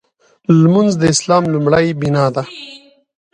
لمونځ د اسلام لومړۍ بناء ده.